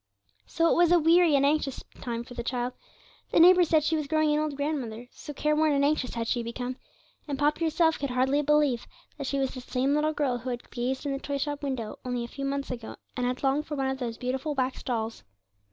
So it was a weary and anxious time for the child. The neighbours said she was growing an old grandmother, so careworn and anxious had she become, and Poppy herself could hardly believe that she was the same little girl who had gazed in the toy shop window only a few months ago and had longed for one of those beautiful wax dolls.